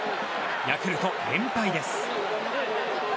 ヤクルト連敗です。